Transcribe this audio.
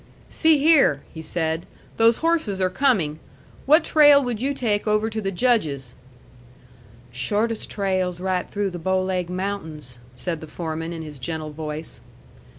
"See here," he said; "those horses are coming. What trail would you take over to the Judge's?" "Shortest trail's right through the Bow Laig Mountains," said the foreman, in his gentle voice.